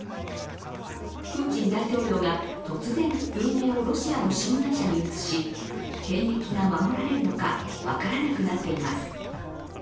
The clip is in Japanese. プーチン大統領が突然、運営をロシアの新会社に移し権益が守られるのか分からなくなっています。